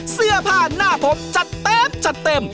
เสื้อผ้าหน้าผมจัดเต็ม